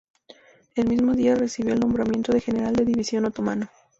El mismo día recibió el nombramiento de general de división otomano.